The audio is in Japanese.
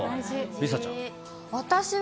梨紗ちゃんは。